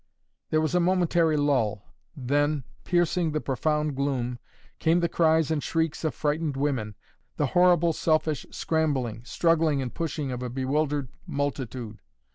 There was a momentary lull, then, piercing the profound gloom, came the cries and shrieks of frightened women, the horrible, selfish scrambling, struggling and pushing of a bewildered multitude.